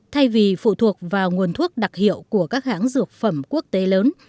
thay vì phụ thuộc vào nguồn thuốc đặc hiệu của các hãng dược phẩm quốc tế lớn